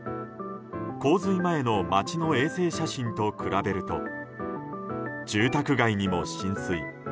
洪水前の街の衛星写真と比べると住宅街にも浸水。